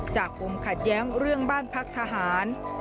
ปมขัดแย้งเรื่องบ้านพักทหาร